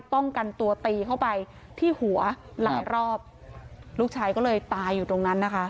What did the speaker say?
ป้องกันตัวตีเข้าไปที่หัวหลายรอบลูกชายก็เลยตายอยู่ตรงนั้นนะคะ